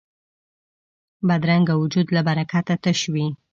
بدرنګه وجود له برکته تش وي